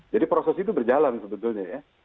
jadi proses itu berjalan sebetulnya ya